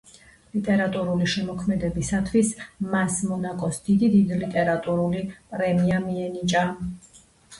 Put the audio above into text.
ლიტერატურული შემოქმედებისათვის მას მონაკოს დიდი ლიტერატურული პრემია მიენიჭა.